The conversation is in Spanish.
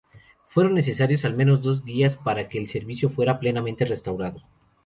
Fueron necesarios al menos dos días para que el servicio fuera plenamente restaurado.